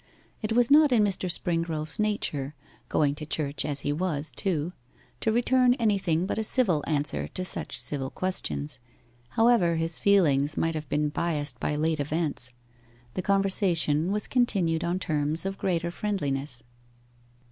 It was not in Mr. Springrove's nature going to church as he was, too to return anything but a civil answer to such civil questions, however his feelings might have been biassed by late events. The conversation was continued on terms of greater friendliness.